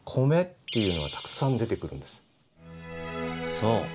そう！